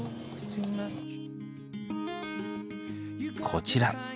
こちら。